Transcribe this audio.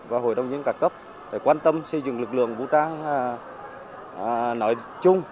và hội đồng nhân cả cấp quan tâm xây dựng lực lượng vũ trang nói chung